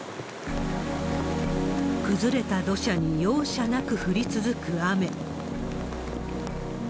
崩れた土砂に容赦なく降り続く雨。